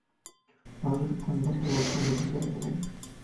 ھازىر قانداق تۇرۇۋاتقاندۇ بىچارە بالام...